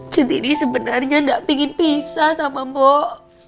centini sebenarnya gak pingin pisah sama mbak